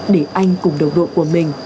để anh cùng đồng đội của mình